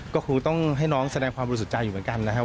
ก็ครูต้องให้น้องแสดงความบริสุทธิ์ใจอยู่เหมือนกันนะครับ